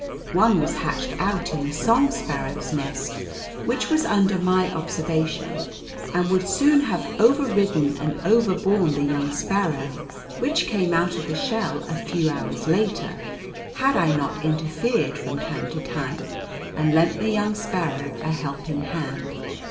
One was hatched out in a song sparrow's nest which was under my observation, and would soon have overridden and overborne the young sparrow which came out of the shell a few hours later, had I not interfered from time to time and lent the young sparrow a helping hand.